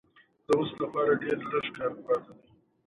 کاکړي د خپلو کورنیو اړیکو ته ارزښت ورکوي.